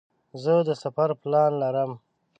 زه د سفر پلان لرم.